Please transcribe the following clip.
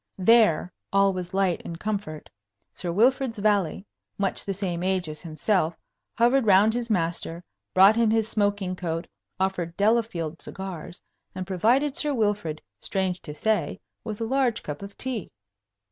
There all was light and comfort. Sir Wilfrid's valet, much the same age as himself, hovered round his master, brought him his smoking coat, offered Delafield cigars, and provided Sir Wilfrid, strange to say, with a large cup of tea.